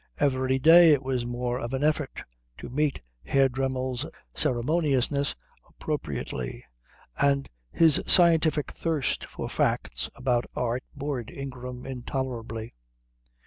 Every day it was more of an effort to meet Herr Dremmel's ceremoniousness appropriately, and his scientific thirst for facts about art bored Ingram intolerably.